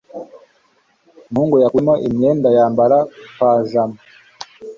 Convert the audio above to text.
Umuhungu yakuyemo imyenda yambara pajama.